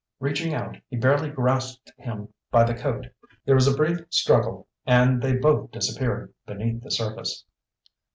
Reaching out, he barely grasped him by the coat. There was a brief struggle and they both disappeared beneath the surface.